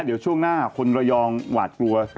เดี๋ยวช่วงหน้าคนระยองหวาดกลัว